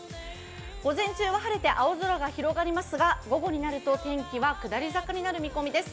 午前中は晴れて青空は広がりますが午後になると、天気は下り坂になる見込みです。